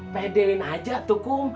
pedein aja atukum